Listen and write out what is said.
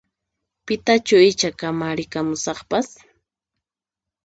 Pitachu icha kamarikamusaqpas?